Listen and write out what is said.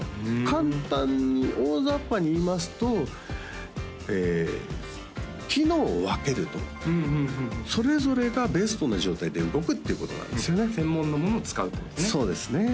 簡単に大ざっぱに言いますと機能を分けるとそれぞれがベストな状態で動くっていうことなんですよね専門のものを使うそうですね